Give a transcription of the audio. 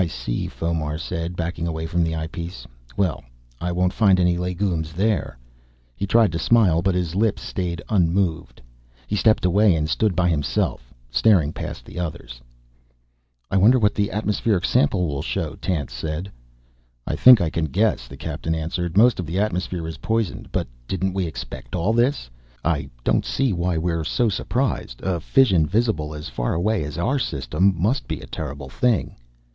"I see," Fomar said, backing away from the eyepiece. "Well, I won't find any legumes there." He tried to smile, but his lips stayed unmoved. He stepped away and stood by himself, staring past the others. "I wonder what the atmospheric sample will show," Tance said. "I think I can guess," the Captain answered. "Most of the atmosphere is poisoned. But didn't we expect all this? I don't see why we're so surprised. A fission visible as far away as our system must be a terrible thing."